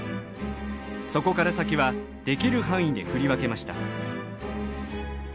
そこから先はできる範囲で振り分けました。